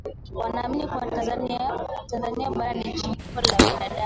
wanaamini kuwa Tanzania bara ni chimbuko la binadamu